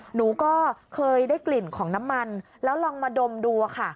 หนูก็เคยได้กลิ่นของน้ำมันแล้วลองมาดมดูค่ะ